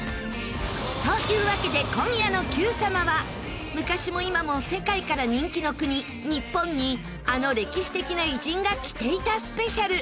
というわけで今夜の『Ｑさま！！』は昔も今も世界から人気の国日本にあの歴史的な偉人が来ていたスペシャル。